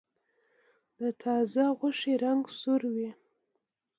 د تازه غوښې رنګ سور وي.